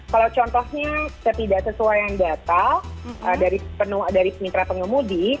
kalau contohnya ketidaksesuaian data dari mitra pengemudi